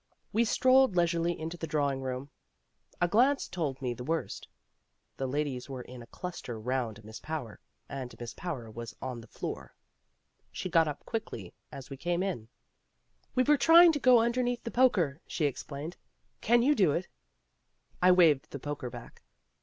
We strolled leisurely into the drawing room. A glance told me the worst. The ladies were in a cluster round Miss Power, and Miss Power was on the floor. She got up quickly as we came in. "We were trying to go underneath the poker," she explained. "Can you do it?" I waved the poker back.